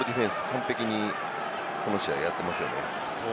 完璧にこの試合やってますよね。